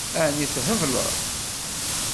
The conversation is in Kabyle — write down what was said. Ɛni thebleḍ?